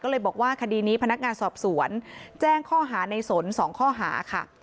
ก็เลยบอกว่าคดีนี้พนักงานสอบสวนแจ้งข้อหาในสน๒ข้อหาค่ะ